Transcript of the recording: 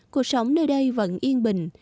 cuộc sống nơi đây vẫn yên bình